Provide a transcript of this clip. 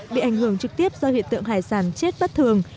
bị ảnh hưởng trực tiếp do hiện tượng hải sản chết bất thường